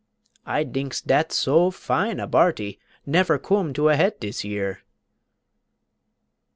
I dinks dat so vine a barty, Nefer coom to a het dis year.